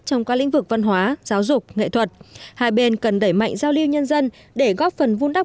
trong các lĩnh vực văn hóa giáo dục nghệ thuật hai bên cần đẩy mạnh giao lưu nhân dân để góp phần vun đắp